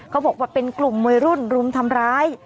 เขาบอกว่าเป็นกลุ่มวัยรุ่นรุมทำร้าย